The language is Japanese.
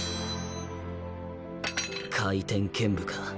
回天剣舞か。